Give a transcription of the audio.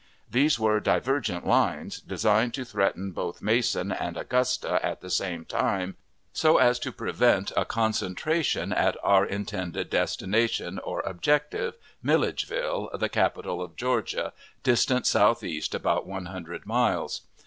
These were divergent lines, designed to threaten both Mason and Augusta at the same time, so as to prevent a concentration at our intended destination, or "objective," Milledgeville, the capital of Georgia, distant southeast about one hundred miles.